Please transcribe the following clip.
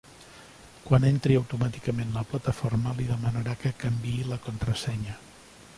Quan entri automàticament la plataforma li demanarà que canviï la contrasenya.